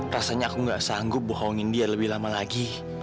rasanya aku gak sanggup bohongin dia lebih lama lagi